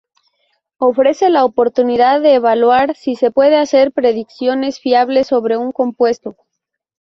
Ofrece la oportunidad de evaluar si se pueden hacer predicciones fiables sobre un compuesto.